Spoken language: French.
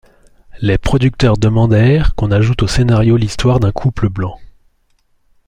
Les producteurs demandèrent qu’on ajoute au scénario l’histoire d’un couple blanc.